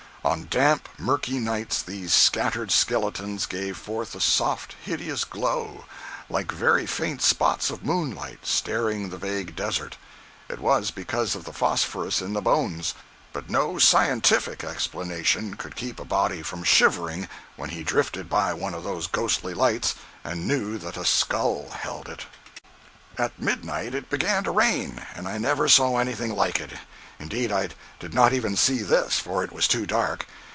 On damp, murky nights, these scattered skeletons gave forth a soft, hideous glow, like very faint spots of moonlight starring the vague desert. It was because of the phosphorus in the bones. But no scientific explanation could keep a body from shivering when he drifted by one of those ghostly lights and knew that a skull held it. 103.jpg (35K) At midnight it began to rain, and I never saw anything like it—indeed, I did not even see this, for it was too dark.